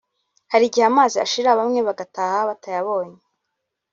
hari igihe amazi ashira bamwe bagataha batayabonye